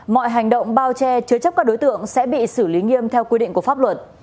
mọi hành động bao che chứa chấp các đối tượng sẽ bị xử lý nghiêm theo quy định của pháp luật